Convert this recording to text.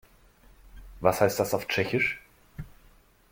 Was heißt das auf Tschechisch?